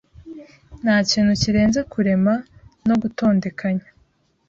Ntakintu kirenze kurema no gutondekanya